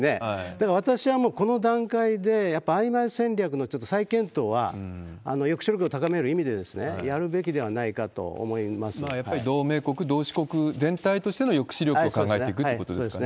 だから私はもう、この段階で、やっぱりあいまい戦略のちょっと再検討は、抑止力を高める意味で、やっぱり同盟国、同志国全体としての抑止力を考えていくってことですかね。